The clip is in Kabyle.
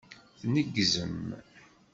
Tneggzem.